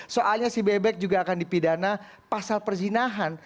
soalnya si bebek juga akan dipidana pasal perzinahan